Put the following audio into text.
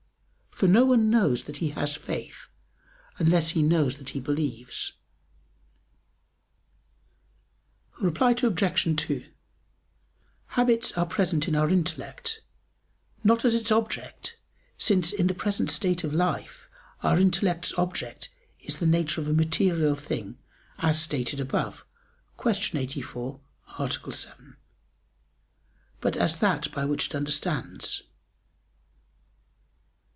For no one knows that he has faith unless he knows that he believes. Reply Obj. 2: Habits are present in our intellect, not as its object since, in the present state of life, our intellect's object is the nature of a material thing as stated above (Q. 84, A. 7), but as that by which it understands.